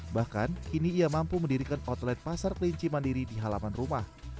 bahkan kini ia mampu mendirikan outlet pasar kelinci mandiri di halaman rumah